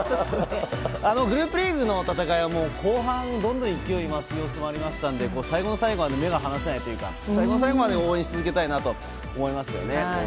グループリーグの戦いは後半、どんどん勢いを増す様子もありましたので、最後の最後まで目が離せないというか最後の最後まで応援したいと思いますよね。